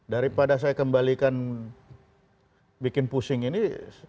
daripada saya kembalikan bikin pusing ini